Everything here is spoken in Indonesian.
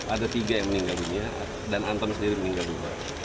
ada tiga yang meninggal dunia dan anton sendiri meninggal dunia